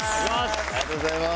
ありがとうございます。